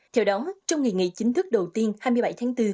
theo đó trong ngày nghị chính thức đầu tiên hai mươi bảy tháng bốn